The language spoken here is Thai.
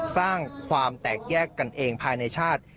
สร้างความแตกแยกกันเองภายในชาติ